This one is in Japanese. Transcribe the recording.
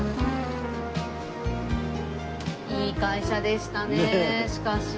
いい会社でしたねしかし。